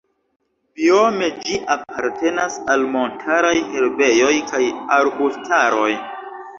Biome ĝi apartenas al montaraj herbejoj kaj arbustaroj.